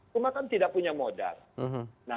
rumah tidak punya modal